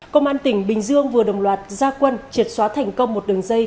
công an tỉnh bình dương vừa đồng loạt gia quân triệt xóa thành công một đường dây